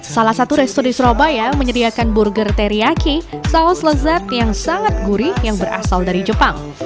salah satu resto di surabaya menyediakan burger teriyaki saus lezat yang sangat gurih yang berasal dari jepang